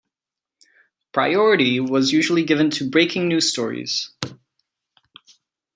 Priority was usually given to breaking news stories.